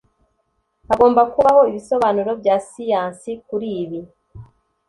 Hagomba kubaho ibisobanuro bya siyansi kuri ibi.